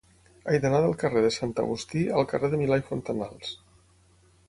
He d'anar del carrer de Sant Agustí al carrer de Milà i Fontanals.